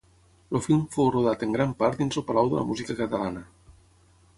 El film fou rodat en gran part dins el Palau de la Música Catalana.